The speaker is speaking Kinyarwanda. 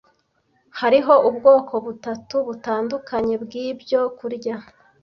Hariho ubwoko butatu butandukanye bwibyo kurya